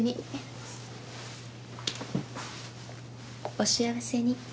お幸せに。